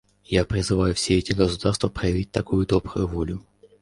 Я призываю все эти государства проявить такую добрую волю.